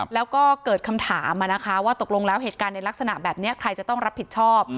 แล้วก็เกิดคำถามว่าตกลงแล้วเหตุการณ์ในลักษณะแบบนี้ใครจะต้องรับผิดชอบ